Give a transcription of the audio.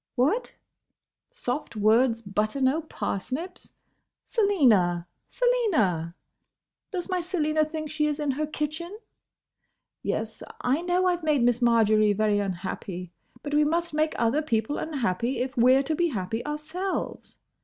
—What? soft words butter no parsnips?—Selina, Selina—! Does my Selina think she is in her kitchen?—Yes; I know I 've made Miss Marjory very unhappy; but we must make other people unhappy, if we 're to be happy ourselves.